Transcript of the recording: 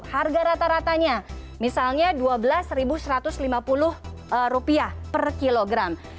harga rata ratanya misalnya rp dua belas satu ratus lima puluh per kilogram